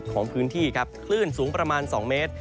ของพื้นที่ครับคลื่นสูงประมาณ๒เมตร